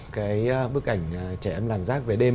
cái bức ảnh trẻ em làng rác về đêm